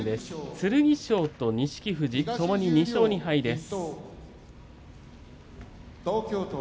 剣翔と錦富士ともに２勝２敗です。